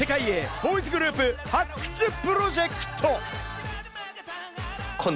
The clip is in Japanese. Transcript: ボーイズグループ発掘プロジェクト。